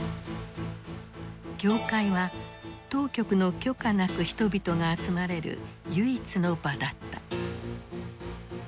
教会は当局の許可なく人々が集まれる唯一の場だった。